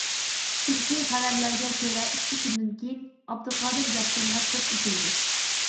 چۈنكى خەۋەرلەرگە كۆرە ئىككى كۈندىن كېيىن ئابدۇقادىر ياپچانغا سوت ئېچىلىدۇ.